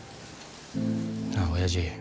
なあおやじ。